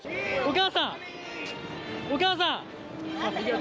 お母さん！